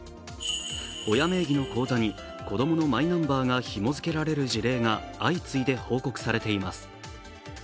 親名義の口座に子供のマイナンバーが紐付けられる事例が相次いで報告されています。